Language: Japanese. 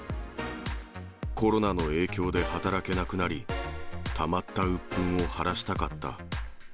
コロナの影響で働けなくなり、たまったうっぷんを晴らしたかった。